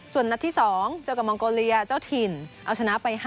ส่วนนัดที่๒เจอกับมองโกเลียเจ้าถิ่นเอาชนะไป๕